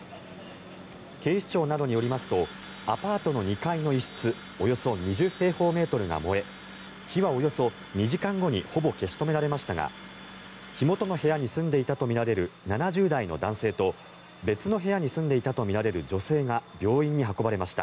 警視庁などによりますとアパートの２階の一室およそ２０平方メートルが燃え火はおよそ２時間後にほぼ消し止められましたが火元の部屋に住んでいたとみられる７０代の男性と別の部屋に住んでいたとみられる女性が病院に運ばれました。